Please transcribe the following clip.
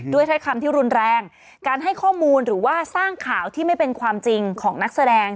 ถ้อยคำที่รุนแรงการให้ข้อมูลหรือว่าสร้างข่าวที่ไม่เป็นความจริงของนักแสดง